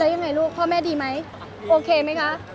ยังไงลูกพ่อแม่ดีไหมโอเคไหมคะ